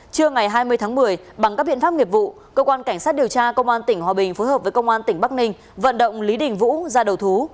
cảnh sát điều tra công an tỉnh hòa bình phối hợp với công an tỉnh bắc ninh vận động lý đình vũ ra đầu thú